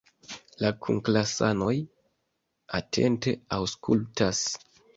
La kunklasanoj atente aŭskultas.